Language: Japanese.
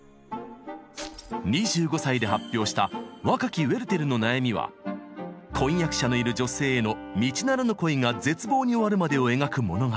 ２５歳で発表した「若きウェルテルの悩み」は婚約者のいる女性への道ならぬ恋が絶望に終わるまでを描く物語。